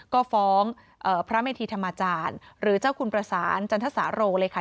ก็ฟ้องพระเมธีธรรมจารย์หรือเจ้าคุณประสานจันทสาโรเลยค่ะ